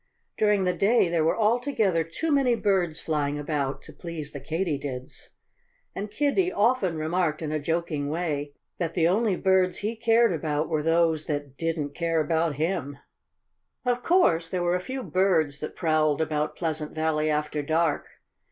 During the day there were altogether too many birds flying about, to please the Katydids. And Kiddie often remarked in a joking way that the only birds he cared about were those that didn't care about him! Of course, there were a few birds that prowled about Pleasant Valley after dark.